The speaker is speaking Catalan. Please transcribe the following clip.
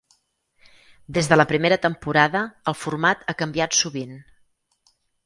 Des de la primera temporada, el format ha canviat sovint.